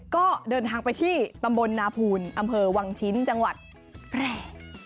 ก็เดินทางไปที่ตำบลนาภูลอำเภอวังชิ้นจังหวัดแพร่